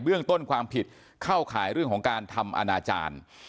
เรื่องต้นความผิดเข้าข่ายเรื่องของการทำอนาจารย์